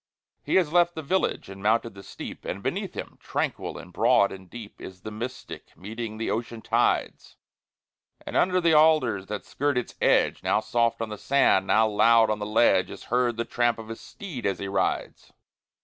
He has left the village and mounted the steep, And beneath him, tranquil and broad and deep, Is the Mystic, meeting the ocean tides; And under the alders that skirt its edge, Now soft on the sand, now loud on the ledge, Is heard the tramp of his steed as he rides.